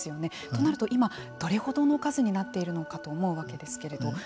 となると、今、どれほどの数になっているのかと思うわけですけれども。